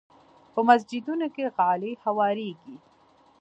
په مسجدونو کې غالۍ هوارېږي.